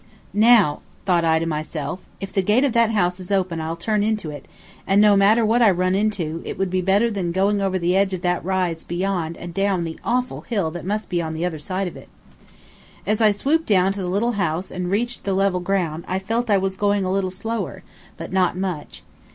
"Now," thought I to myself, "if the gate of that house is open I'll turn into it, and no matter what I run into, it would be better than going over the edge of that rise beyond and down the awful hill that must be on the other side of it." As I swooped down to the little house and reached the level ground I felt I was going a little slower, but not much.